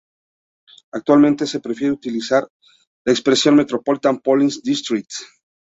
Actualmente se prefiere utilizar la expresión "Metropolitan Police District".